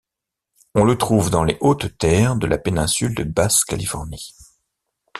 On le trouve dans les hautes-terres de la Péninsule de Basse-Californie.